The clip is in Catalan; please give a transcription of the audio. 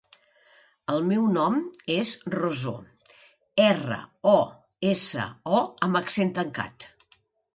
El meu nom és Rosó: erra, o, essa, o amb accent tancat.